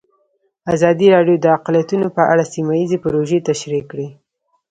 ازادي راډیو د اقلیتونه په اړه سیمه ییزې پروژې تشریح کړې.